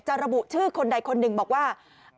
ระบุชื่อคนใดคนหนึ่งบอกว่า